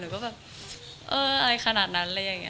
ก็แบบเอออะไรขนาดนั้นอะไรอย่างนี้